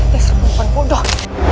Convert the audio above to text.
pesan perempuan bodoh